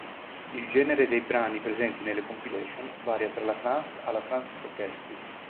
Il genere dei brani presenti nelle compilation varia tra la trance alla trance-progressive.